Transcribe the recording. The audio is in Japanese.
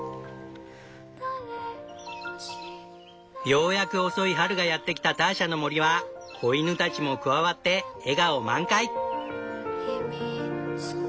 ようやく遅い春がやってきたターシャの森は子犬たちも加わって笑顔満開！